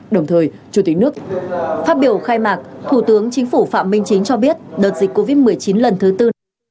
đồng thời chủ tịch nước phát biểu khai mạc thủ tướng chính phủ phạm minh chính cho biết đợt dịch covid một mươi chín lần thứ tư